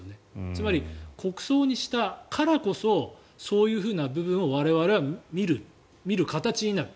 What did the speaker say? つまり、国葬にしたからこそそういうふうな部分を我々は見る、見る形になる。